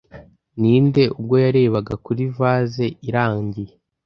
Ninde, ubwo yarebaga kuri vase irangiye,